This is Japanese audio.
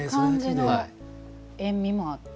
塩味もあって。